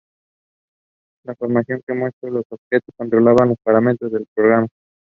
La forma en que se muevan los objetos controla los parámetros de un programa.